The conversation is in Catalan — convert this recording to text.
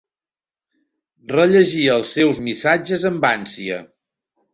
Rellegia els seus missatges amb ànsia.